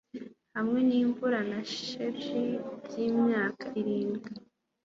Hamwe nimvura na shelegi byimyaka irindwi